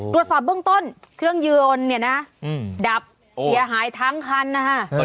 ตั้งแต่ฟังต้นเครื่องยนต์เนี่ยนะดับอย่าหายทางคันนะคะ